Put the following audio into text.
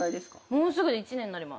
もうすぐで１年になります。